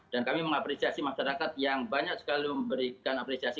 dan kami mengapresiasi masyarakat yang banyak sekali memberikan apresiasi